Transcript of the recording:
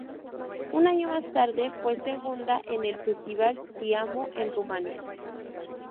Un año más tarde, fue segunda en el festival "Ti Amo" en Rumanía.